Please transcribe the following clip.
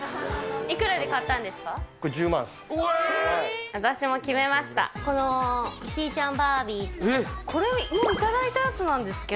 いくらで買ったんですか。